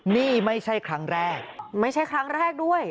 นี่ไม่ใช่ครั้งแรกไม่ใช่ครั้งแรกด้วย